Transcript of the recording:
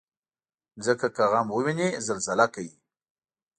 مځکه که غم وویني، زلزله کوي.